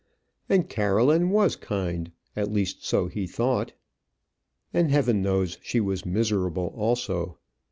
And Caroline was kind; at least so he thought, and heaven knows she was miserable also.